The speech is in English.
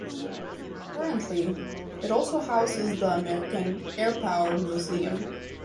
Currently, it also houses the American Airpower Museum.